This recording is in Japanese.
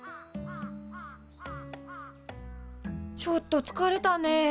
ちょっとつかれたね。